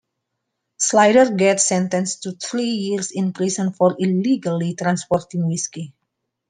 Sylder gets sentenced to three years in prison for illegally transporting whiskey.